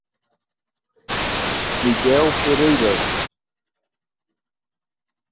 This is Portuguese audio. Miguel Pereira